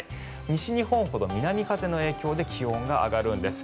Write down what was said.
西日本ほど南風の影響で気温が上がるんです。